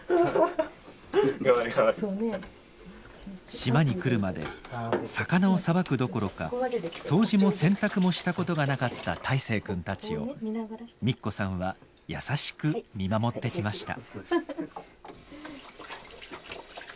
島に来るまで魚をさばくどころか掃除も洗濯もしたことがなかった泰誠君たちをみっこさんはやさしく見守ってきました。